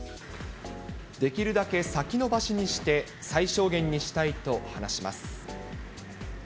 できるだけ先延ばしにして最小限にしたいと話します。